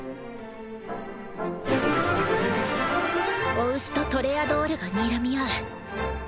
雄牛とトレアドールがにらみ合う。